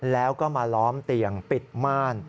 แล้วก็มาล้อมเตียงปิดม่าน